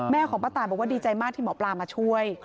ของป้าตายบอกว่าดีใจมากที่หมอปลามาช่วย